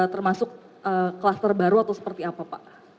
termasuk kluster baru atau seperti apa pak